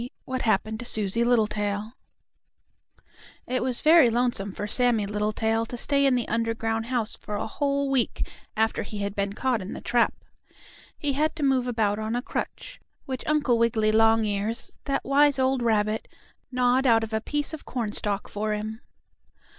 III WHAT HAPPENED TO SUSIE LITTLETAIL It was very lonesome for Sammie Littletail to stay in the underground house for a whole week after he had been caught in the trap. He had to move about on a crutch, which Uncle Wiggily Longears, that wise old rabbit, gnawed out of a piece of cornstalk for him.